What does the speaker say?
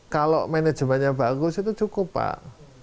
kalau manajemennya bagus itu cukup pak